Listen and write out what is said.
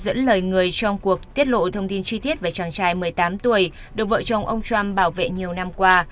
dẫn lời người trong cuộc tiết lộ thông tin chi tiết về chàng trai một mươi tám tuổi được vợ chồng ông trump bảo vệ nhiều năm qua